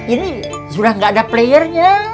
ini sudah tidak ada playernya